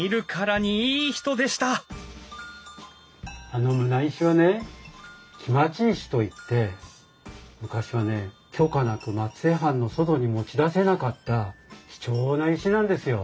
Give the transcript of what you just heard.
あの棟石はね来待石といって昔はね許可なく松江藩の外に持ち出せなかった貴重な石なんですよ。